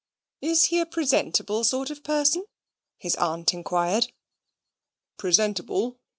"Is he a presentable sort of a person?" the aunt inquired. "Presentable?